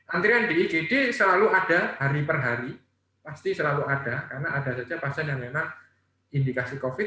antrian di igd selalu ada hari per hari pasti selalu ada karena ada saja pasien yang memang indikasi covid sembilan belas